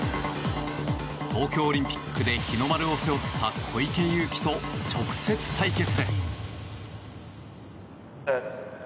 東京オリンピックで日の丸を背負った小池祐貴と直接対決です。